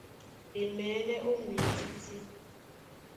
E maɛ̌nɛ́ ó mwǐtítí.